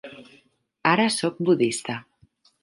Ara sóc budista.